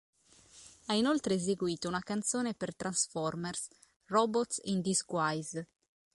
Ha inoltre eseguito una canzone per "Transformers: Robots in Disguise".